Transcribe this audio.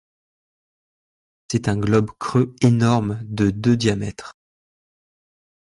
C'était un globe creux énorme, de de diamètre.